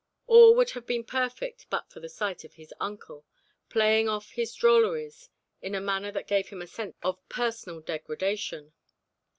All would have been perfect but for the sight of his uncle, playing off his drolleries in a manner that gave him a sense of personal degradation.